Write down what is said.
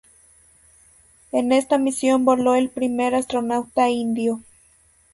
En esta misión voló el primer astronauta indio.